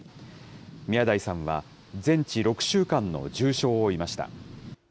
宮台さんは全治６週間の重傷を負いました。